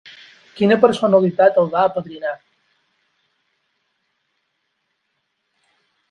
Quina personalitat el va apadrinar?